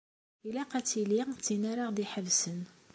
Ilaq ad tili tin ara ɣ-d-iḥebsen.